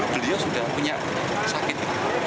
beliau sudah punya sakit